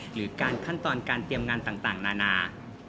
หรือการขั้นตอนการเตรียมงานต่างนานา